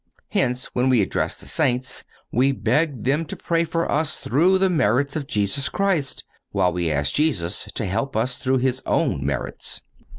(207) Hence, when we address the saints, we beg them to pray for us through the merits of Jesus Christ, while we ask Jesus to help up through His own merits.